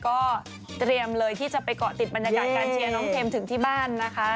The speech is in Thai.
ก็เตรียมเลยที่จะไปเกาะติดบรรยากาศการเชียร์น้องเทมถึงที่บ้านนะคะ